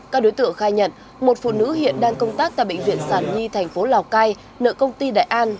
các đối tượng khai nhận một phụ nữ hiện đang công tác tại bệnh viện sản nhi thành phố lào cai nợ công ty đại an